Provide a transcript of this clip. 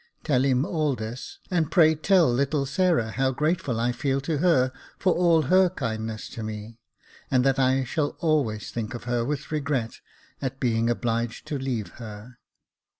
Tell him all this, and pray tell little Sarah how grateful I feel to her for all her kindness to me, and that I shall always think of her with regret, at being obliged to leave her."